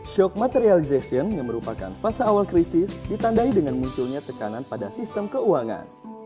shock material zassion yang merupakan fase awal krisis ditandai dengan munculnya tekanan pada sistem keuangan